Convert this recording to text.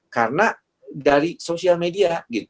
karena dari sosial media